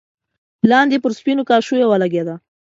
لاندې پر سپينو کاشيو ولګېده.